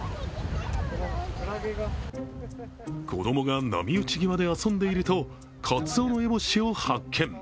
子供が波打ち際で遊んでいるとカツオノエボシを発見。